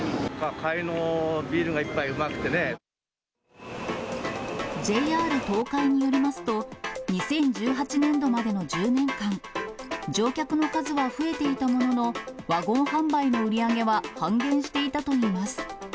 帰りのビールの一杯がうまくＪＲ東海によりますと、２０１８年度までの１０年間、乗客の数は増えていたものの、ワゴン販売の売り上げは半減していたといいます。